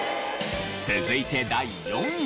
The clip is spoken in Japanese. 続いて第４位。